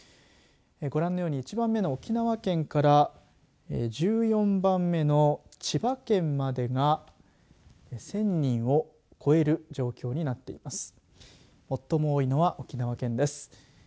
ご覧のように１番目の沖縄県から１４番目の千葉県までが１０００人を超える状況になっています。